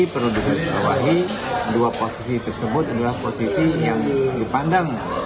kalau di rakyat megawati dua posisi tersebut adalah posisi yang dipandang